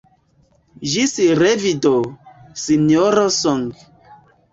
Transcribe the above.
Ĝis revido, Sinjoro Song.